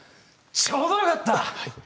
ちょうどよかった！